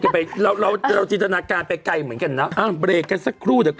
เขาอาจจะแค่เลวยมาถ